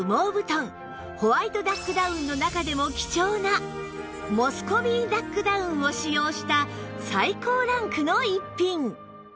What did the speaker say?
ホワイトダックダウンの中でも貴重なモスコビーダックダウンを使用した最高ランクの逸品